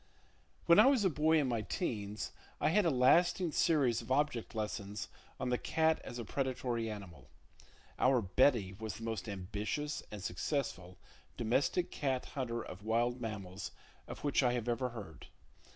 When I was a boy in my 'teens, I had a lasting series of object lessons on the cat as a predatory animal. Our "Betty" was the most ambitious and successful domestic cat hunter of wild mammals of which I ever have heard.